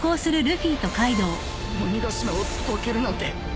鬼ヶ島をどけるなんて。